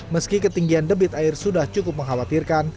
meski ketinggian debit air sudah cukup mengkhawatirkan